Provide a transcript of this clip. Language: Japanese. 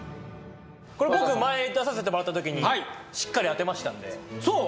これ僕前出させてもらったときにしっかり当てましたんでそう？